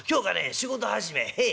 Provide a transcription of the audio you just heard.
仕事始めへえ。